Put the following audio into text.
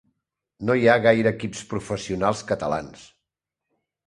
No hi ha gaire equips professionals catalans.